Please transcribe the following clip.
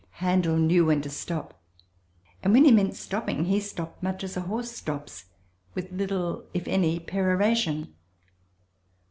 Handel knew when to stop and, when he meant stopping, he stopped much as a horse stops, with little, if any, peroration.